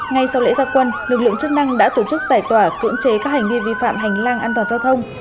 ngay sau lễ gia quân lực lượng chức năng đã tổ chức giải tỏa cưỡng chế các hành vi vi phạm hành lang an toàn giao thông